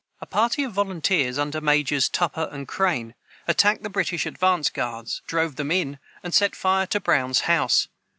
[Footnote 129: A party of volunteers, under Majors Tupper and Crane, attacked the British advanced guards, drove them in, and set fire to Brown's house.